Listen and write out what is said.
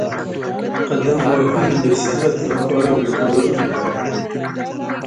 تنوع د افغانستان د انرژۍ سکتور برخه ده.